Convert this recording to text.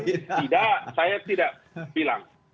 tidak saya tidak bilang